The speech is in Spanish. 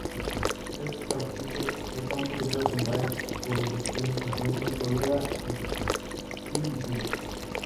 Estos cartuchos están prohibidos en varias jurisdicciones, incluyendo Florida e Illinois.